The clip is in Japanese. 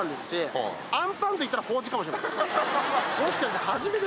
もしかして。